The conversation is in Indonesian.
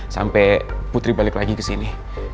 sampai putri balik lagi kesini